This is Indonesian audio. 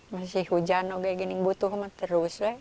masih hujan juga gini butuh terus weh